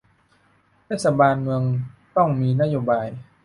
เทศบาลเมืองต้องมีนโยบาย